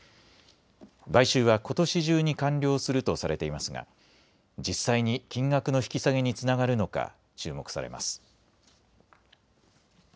買収はことし中に完了するとされていますが実際に金額の引き下げにつながるのか注目されます。